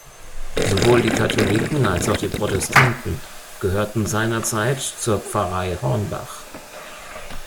Sowohl die Katholiken als auch die Protestanten gehörten seinerzeit zur Pfarrei Hornbach.